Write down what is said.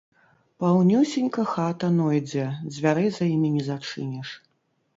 Паўнюсенька хата нойдзе, дзвярэй за імі не зачыніш.